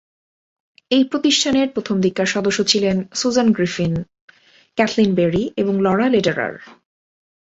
এই প্রতিষ্ঠানের প্রথম দিককার সদস্য ছিলেন সুজান গ্রিফিন, ক্যাথলিন বেরি এবং লরা লেডারার।